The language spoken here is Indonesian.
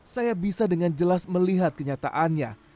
saya bisa dengan jelas melihat kenyataannya